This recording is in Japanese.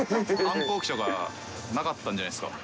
反抗期とかなかったんじゃないですか。